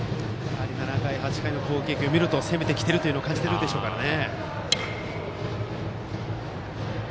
７回、８回の攻撃を見ると攻めてきていると感じているでしょうからね。